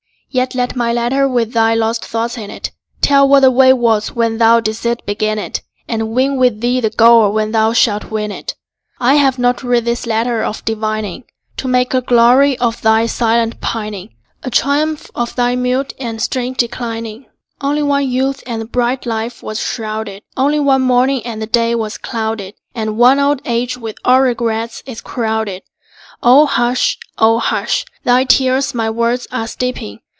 Yet let my letter with thy lost thoughts in it Tell what the way was when thou didst begin it, And win with thee the goal when thou shalt win it. I have not writ this letter of divining To make a glory of thy silent pining, A triumph of thy mute and strange declining. Only one youth, and the bright life was shrouded; Only one morning, and the day was clouded; And one old age with all regrets is crowded. O hush, O hush! Thy tears my words are steeping.